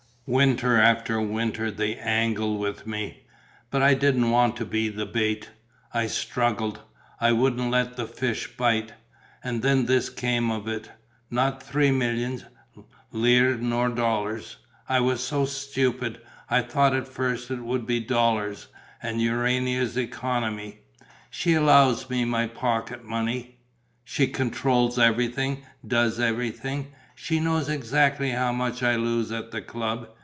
Winter after winter, they angled with me. But I didn't want to be the bait, I struggled, I wouldn't let the fish bite. And then this came of it. Not three millions. Lire, not dollars. I was so stupid, I thought at first it would be dollars. And Urania's economy! She allows me my pocket money. She controls everything, does everything. She knows exactly how much I lose at the club.